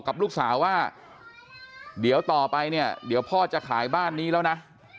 กับลูกสาวว่าเดี๋ยวต่อไปเนี่ยเดี๋ยวพ่อจะขายบ้านนี้แล้วนะ